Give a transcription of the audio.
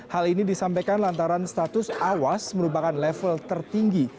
hal ini disampaikan lantaran status awas merupakan level tertinggi